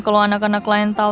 kalau anak anak lain tahu